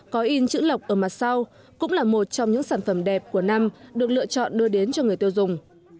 có in chữ lọc ở mặt sau cũng là một trong những sản phẩm đẹp của năm được lựa chọn đưa đến cho người tiêu dùng